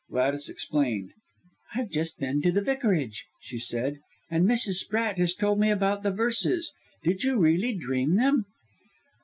Gladys explained. "I've just been to the Vicarage," she said, "and Mrs. Sprat has told me about the verses. Did you really dream them?"